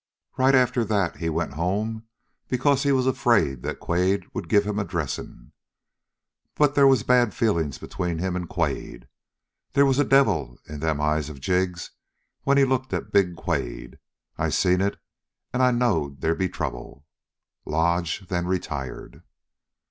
"Right after that he went home because he was afraid that Quade would give him a dressing. But they was bad feelings between him and Quade. They was a devil in them eyes of Jig's when he looked at big Quade. I seen it, and I knowed they'd be trouble!" Lodge then retired.